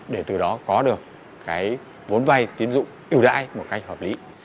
để từ đó có được cái vốn vay tín dụng ưu đãi một cách hợp lý